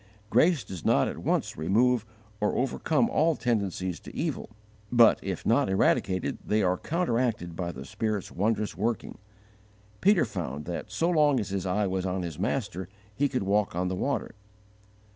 Grace does not at once remove or overcome all tendencies to evil, but, if not eradicated, they are counteracted by the Spirit's wondrous working. Peter found that so long as his eye was on His Master he could walk on the water.